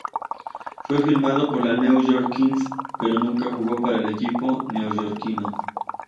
Fue firmado por los New York Knicks, pero nunca jugó para el equipo neoyorquino.